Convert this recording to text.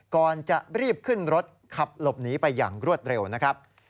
ก่อนจะรีบขึ้นรถขับหลบหนีไปอย่างรวดเร็วนะครับ